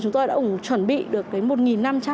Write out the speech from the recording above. chúng tôi đã chuẩn bị được một năm trăm linh